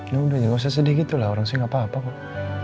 yaudah gak usah sedih gitu lah orang sini gak apa apa kok